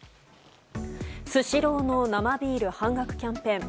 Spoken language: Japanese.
スシローの生ビール半額キャンペーン。